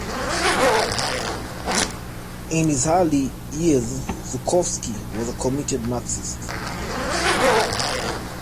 In his early years, Zukofsky was a committed Marxist.